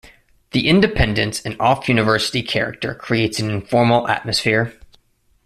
The independence and off-university-character creates an informal atmosphere.